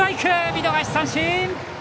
見逃し三振！